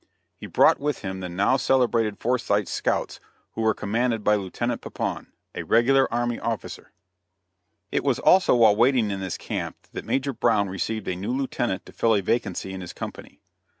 He brought with him the now celebrated Forsyth scouts, who were commanded by Lieutenant Pepoon, a regular army officer. [Illustration: GEN'L E.A. CARR.] It was also while waiting in this camp that Major Brown received a new lieutenant to fill a vacancy in his company.